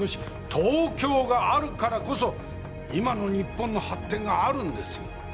東京があるからこそ今の日本の発展があるんですよ